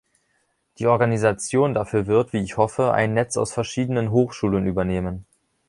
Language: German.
Die Organisation dafür wird, wie ich hoffe, ein Netz aus verschiedenen Hochschulen übernehmen.